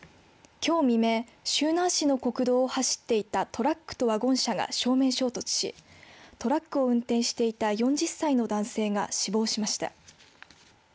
きょう未明周南市の国道を走っていたトラックとワゴン車が正面衝突しトラックを運転していた４０歳の男性が死亡しました。